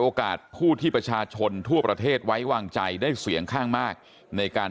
ผู้ที่ประชาชนทั่วประเทศไว้วางใจได้เสียงข้างมากในการ